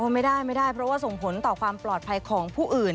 ไม่ได้ไม่ได้เพราะว่าส่งผลต่อความปลอดภัยของผู้อื่น